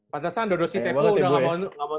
pantesan dodo sinteko udah gak mau